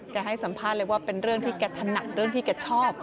ให้สัมภาษณ์เลยว่าเป็นเรื่องที่แกถนัดเรื่องที่แกชอบ